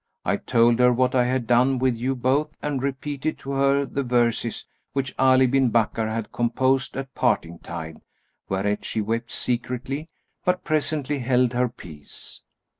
I told her what I had done with you both and repeated to her the verses which Ali bin Bakkar had composed at parting tide, whereat she wept secretly, but presently held her peace.